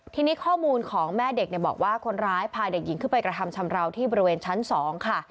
ทีนี้ข้อมูลของแม่เด็กเนี่ยบอกว่าคนร้ายพาเด็กหญิงขึ้นไปกระทำชำราวที่บริเวณชั้น๒ค่ะ